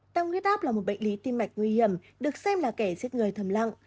tăng huyết áp là một bệnh lý tim mạch nguy hiểm được xem là kẻ giết người thầm lặng